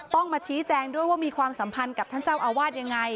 ต้องมาชี้แจงด้วยว่ามีความสัมพันธ์กับท่านเจ้าอาวาสยังไง